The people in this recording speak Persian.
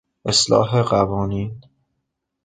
اصلاح قوانین